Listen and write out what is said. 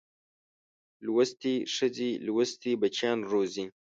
لوستې ښځې لوستي بچیان روزي